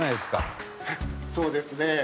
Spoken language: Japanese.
そうですね。